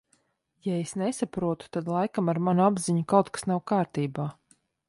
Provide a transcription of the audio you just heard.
Ja es nesaprotu, tad laikam ar manu apziņu kaut kas nav kārtībā.